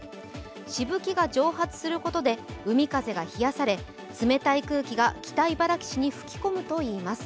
しぶきが蒸発することで海風が冷やされ、冷たい空気が北茨城市に吹き込むといいます。